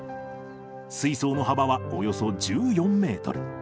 水槽の幅はおよそ１４メートル。